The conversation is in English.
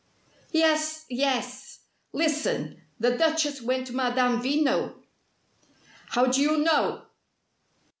"Yes yes! Listen. The Duchess went to Madame Veno." "How do you know?"